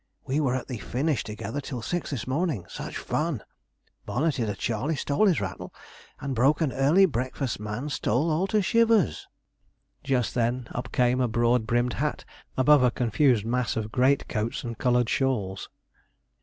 We were at the Finish together till six this morning such fun! bonneted a Charley, stole his rattle, and broke an early breakfast man's stall all to shivers.' Just then up came a broad brimmed hat, above a confused mass of greatcoats and coloured shawls.